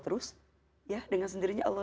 terus ya dengan sendirinya allah